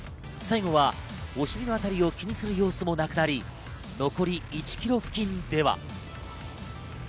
最後はお尻のあたりを気にする様子もなくなり残り１ｋｍ付近では。